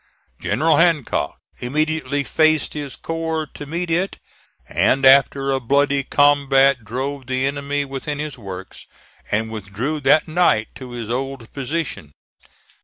General Hancock immediately faced his corps to meet it, and after a bloody combat drove the enemy within his works, and withdrew that night to his old position.